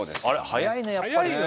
早いねやっぱね。